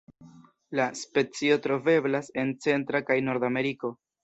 La specio troveblas en Centra kaj Nordameriko.